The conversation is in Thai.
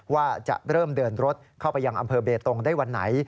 ว่าจะเริ่มเดินรถเข้าไปยังอำเภอเบตงได้วันไหน